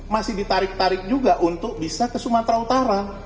masih ditarik tarik juga untuk bisa ke sumatera utara